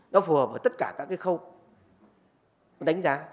nó phù hợp với tất cả các cái khâu đánh giá